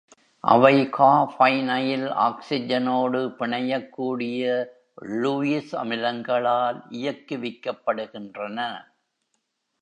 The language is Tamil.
அவை கார்பைனைல் ஆக்ஸிஜனோடு பிணையக்கூடிய Lewis அமிலங்களால் இயக்குவிக்கப்படுகின்றன.